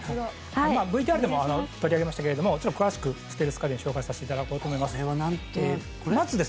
ＶＴＲでも取り上げましたけども詳しくステルス家電紹介させていただこうと思います。